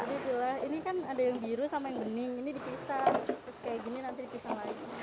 dipilah ini kan ada yang biru sama yang bening ini dipisah terus kayak gini nanti dipisah lagi